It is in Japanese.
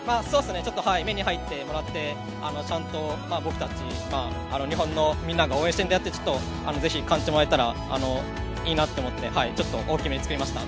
ちょっと目に入ってもらって、ちゃんと僕たち日本のみんなが応援しているんだよっていうのを感じてもらえたらいいなと思って、ちょっと大きめに作りました。